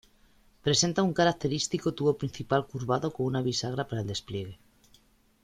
Presenta un característico tubo principal curvado con una bisagra para el despliegue.